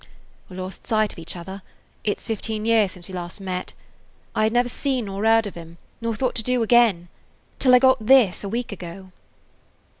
"We lost sight of each other. It 's fifteen years since we last met. I had never seen nor heard of him nor thought to do again till I got this a week ago."